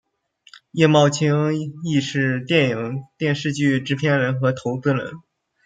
叶茂菁亦是电影电视剧制片人和投资人。